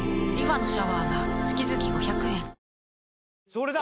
それだ！